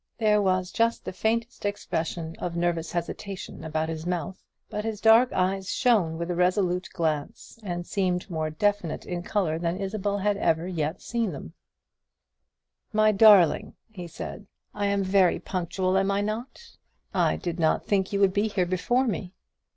There was just the faintest expression of nervous hesitation about his mouth; but his dark eyes shone with a resolute glance, and seemed more definite in colour than Isabel had ever seen them yet. "My darling," he said, "I am very punctual, am I not? I did not think you would be here before me.